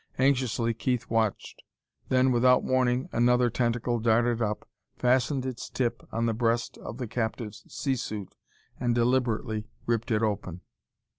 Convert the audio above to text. Anxiously, Keith watched. Then, without warning, another tentacle darted up, fastened its tip on the breast of the captive's sea suit, and deliberately ripped it open.